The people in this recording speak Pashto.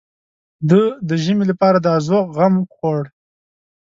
ده د ژمي لپاره د ازوغ غم خوړ.